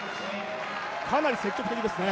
かなり積極的ですね。